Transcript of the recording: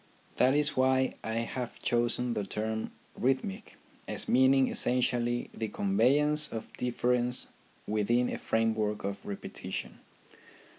That is why I have chosen the term " rhythmic," as meaning essentially the conveyance of difference within a framework of repetition.